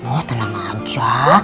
oh tenang aja